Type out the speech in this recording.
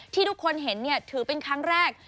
ที่ทุกคนเห็นถือเป็นครั้งแรก